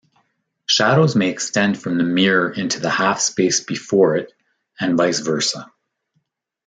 Shadows may extend from the mirror into the halfspace before it, and vice versa.